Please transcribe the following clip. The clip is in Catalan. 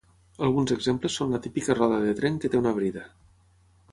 Alguns exemples són la típica roda de tren que té una brida.